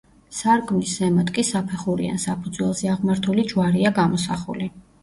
სარკმლის ზემოთ კი საფეხურიან საფუძველზე აღმართული ჯვარია გამოსახული.